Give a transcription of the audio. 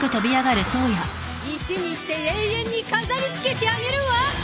石にして永遠に飾り付けてあげるわ！